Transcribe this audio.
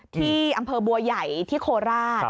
ที่อำเภอบัวใหญ่ที่โคราช